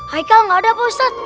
haikal nggak ada pak ustadz